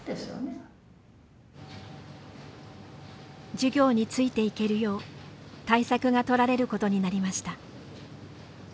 授業についていけるよう対策がとられることになりました。